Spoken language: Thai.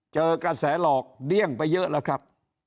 เจอกระแสหลอกเดี้ยงไปเยอะแล้วครับ